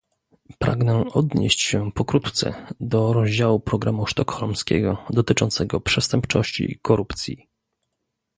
Pragnę odnieść się pokrótce do rozdziału programu sztokholmskiego dotyczącego przestępczości i korupcji